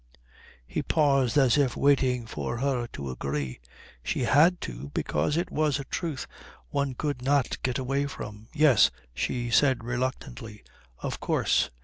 He paused, as if waiting for her to agree. She had to, because it was a truth one could not get away from. "Yes," she said, reluctantly. "Of course.